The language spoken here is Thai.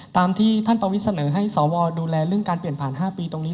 ตามที่ท่านประวิทย์เสนอให้สวดูแลเรื่องการเปลี่ยนผ่าน๕ปีตรงนี้